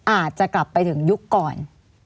อาจจะกลับไปถึงยุคก่อน